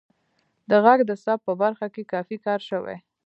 د غږ د ثبت په برخه کې کافی کار شوی